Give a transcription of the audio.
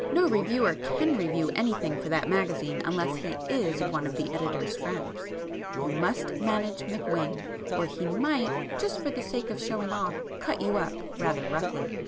No reviewer can review anything for that magazine unless he is one of the editor's friends.2 You must manage McWhing, or he might, just for the sake of 'showing off,' cut you up rather roughly."